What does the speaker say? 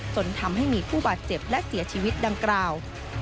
จนทำให้มีผู้บาดเจ็บและเสียชีวิตดังกล่าว